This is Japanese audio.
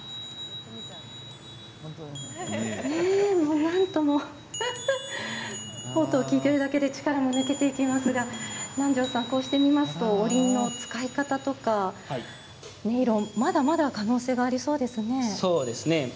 なんとも音を聴いているだけで力が抜けていきますが南條さん、こうして見ますとおりんの使い方とか音色、まだまだ可能性がありそうですね。